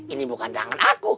ini bukan tangan aku